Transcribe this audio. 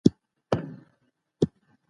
او تل به روانه وي.